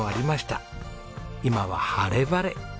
今は晴れ晴れ。